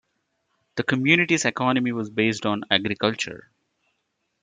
The community's economy was based on agriculture.